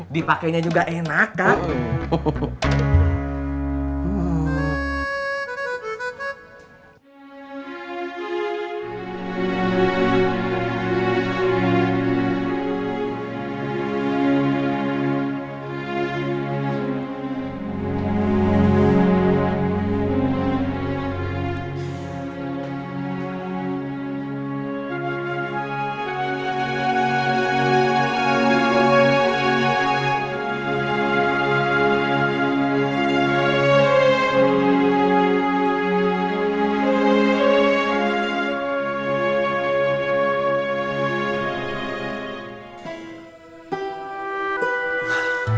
dipakainya juga enak kak